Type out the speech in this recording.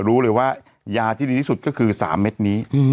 รู้เลยว่ายาที่ดีที่สุดก็คือ๓เม็ดนี้